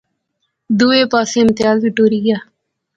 دوہے پاسے امتیاز وی ٹری گیا